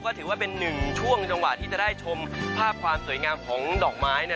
ก็ถือว่าเป็นหนึ่งช่วงจังหวะที่จะได้ชมภาพความสวยงามของดอกไม้